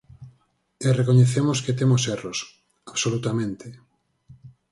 E recoñecemos que temos erros, absolutamente.